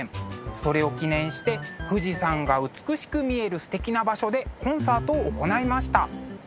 それを記念して富士山が美しく見えるすてきな場所でコンサートを行いました。